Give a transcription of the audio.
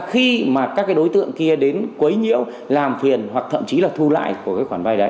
khi mà các đối tượng kia đến quấy nhiễu làm phiền hoặc thậm chí là thu lại của cái khoản vai đấy